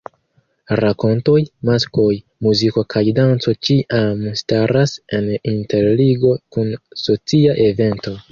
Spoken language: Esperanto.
Rakontoj, maskoj, muziko kaj danco ĉiam staras en interligo kun socia evento.